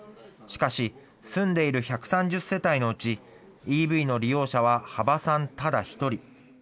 しかし住んでいる１３０世帯のうち、ＥＶの利用者は幅さんただ一人。